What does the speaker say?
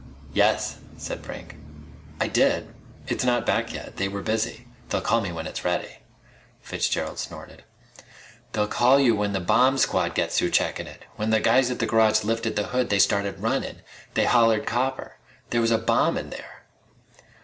"Yes," said Brink. "I did. It's not back yet. They were busy. They'll call me when it's ready." Fitzgerald snorted. "They'll call you when the bomb squad gets through checkin' it! When the guys at the garage lifted the hood they started runnin'. Then they hollered copper. There was a bomb in there!"